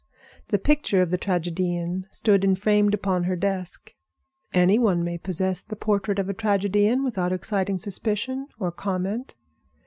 The picture of the tragedian stood enframed upon her desk. Any one may possess the portrait of a tragedian without exciting suspicion or comment.